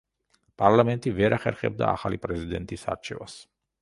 პარლამენტი ვერ ახერხებდა ახალი პრეზიდენტის არჩევას.